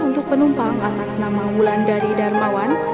untuk penumpang atas nama ulan dari darmawan